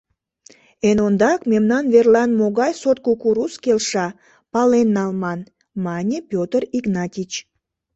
— Эн ондак, мемнан верлан могай сорт кукуруз келша, пален налман! — мане Пётр Игнатич.